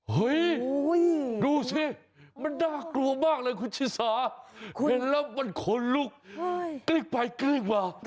เฮ้ยดูสิมันน่ากลัวมากเลยคุณชิสาเห็นแล้วมันขนลุกกลิ้งไปกลิ้งมา